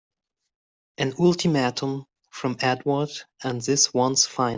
An ultimatum from Edward and this one's final!